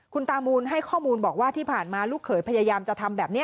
คุณตามูลให้ข้อมูลบอกว่าที่ผ่านมาลูกเขยพยายามจะทำแบบนี้